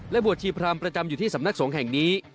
บวชชีพรามประจำอยู่ที่สำนักสงฆ์แห่งนี้